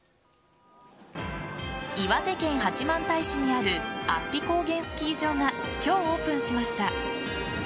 岩手県八幡平市にある安比高原スキー場が今日オープンしました。